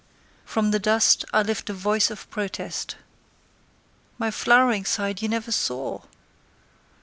From the dust I lift a voice of protest: My flowering side you never saw!